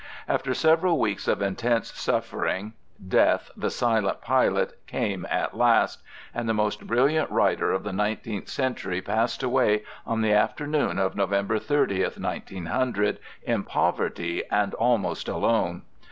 After several weeks of intense suffering 'Death the silent pilot' came at last, and the most brilliant writer of the nineteenth century passed away on the afternoon of November 30th, 1900, in poverty and almost alone.